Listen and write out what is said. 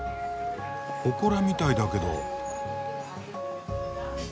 ほこらみたいだけど。